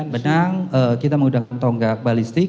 benang kita menggunakan tonggak balistik